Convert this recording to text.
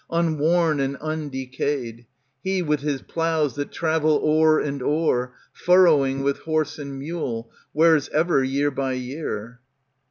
Unworn and undecayed. Ke, with his ploughs that travel o'er and o'er, Furrowing with horse and mule, Wears ever year by year.